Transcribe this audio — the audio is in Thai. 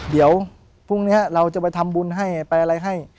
เดี๋ยวพรุ่งนี้เราจะไปทำบุญให้ไปอะไรให้